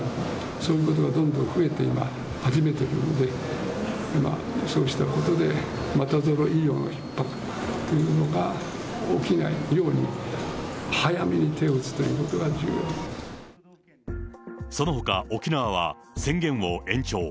そういうことがどんどん増えて、今、始めているので、今そうしたことで、また医療のひっ迫というのが起きないように、そのほか、沖縄は宣言を延長。